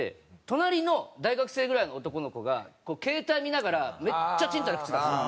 隣の大学生ぐらいの男の子が携帯見ながらめっちゃちんたら食ってたんですよ。